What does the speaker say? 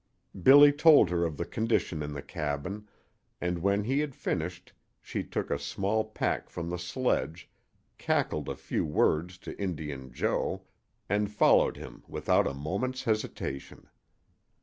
Billy told her of the condition in the cabin, and when he had finished she took a small pack from the sledge, cackled a few words to Indian Joe, and followed him without a moment's hesitation.